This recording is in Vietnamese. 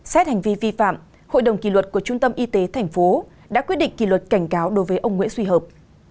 xét hành vi vi phạm hội đồng kỳ luật của trung tâm y tế tp đã quyết định kỳ luật cảnh cáo đối với ông nguyễn suy hợp